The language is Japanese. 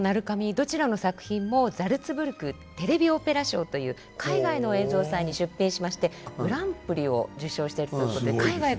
どちらの作品もザルツブルクテレビオペラ賞という海外の映像祭に出品しましてグランプリを受賞しているということで海外からも評価を受けています。